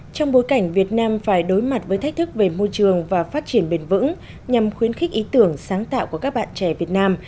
trong bối cảnh việt nam phải đối mặt với thách thức về môi trường và phát triển bền vững nhằm khuyến khích ý tưởng sáng tạo của các bạn trẻ việt nam